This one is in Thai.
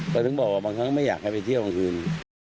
ก็ถึงบอกว่าบางครั้งไม่ได้ไม่อยากให้ไปเที่ยวงค์ชื่น